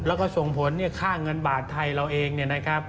แล้วก็ส่งผลข้าเงินบาทไทยเราเองนะครับ